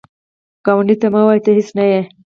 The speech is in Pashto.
ګاونډي ته مه وایه “ته هیڅ نه یې”